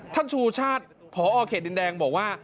ชูชาติพอเขตดินแดงบอกว่า